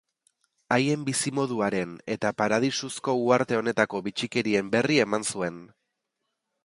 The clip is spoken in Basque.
Haien bizimoduaren eta paradisuzko uharte honetako bitxikerien berri eman zuen.